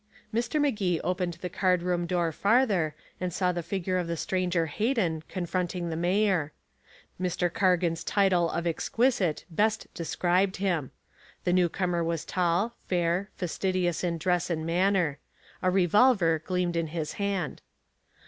Mr. Magee opened the card room door farther, and saw the figure of the stranger Hayden confronting the mayor. Mr. Cargan's title of exquisite best described him. The newcomer was tall, fair, fastidious in dress and manner. A revolver gleamed in his hand.